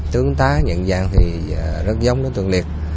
tướng tá nhận dạng thì rất giống đối tượng liệt